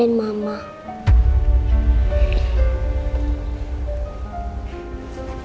nih ringerin papa